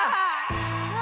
うわ！